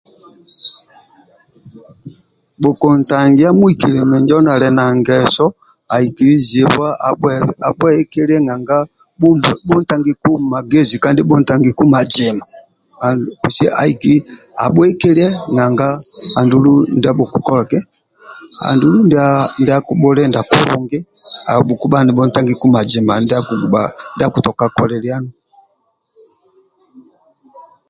Bhukuntangia muikili minjo nali na ngeso aikilizibwa abhueikilie nanga bhutangiku magezi na kandi bhuntangiku mazima aiki abhuikilie nanga andulu ndia akibhulinda kulungi abhi ku ha nibhuntanfiku mazima ndia akitoka kolilianu